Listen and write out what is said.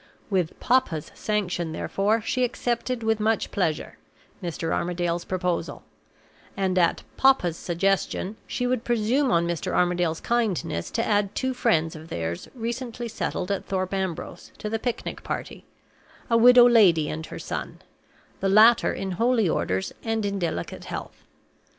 With "papa's" sanction, therefore, she accepted, with much pleasure, Mr. Armadale's proposal; and, at "papa's" suggestion, she would presume on Mr. Armadale's kindness to add two friends of theirs recently settled at Thorpe Ambrose, to the picnic party a widow lady and her son; the latter in holy orders and in delicate health.